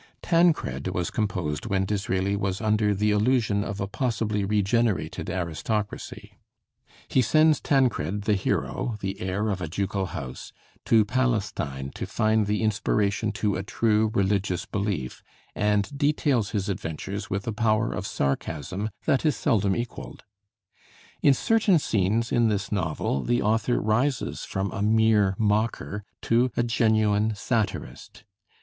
'Tancred' was composed when Disraeli was under "the illusion of a possibly regenerated aristocracy." He sends Tancred, the hero, the heir of a ducal house, to Palestine to find the inspiration to a true religious belief, and details his adventures with a power of sarcasm that is seldom equaled. In certain scenes in this novel the author rises from a mere mocker to a genuine satirist.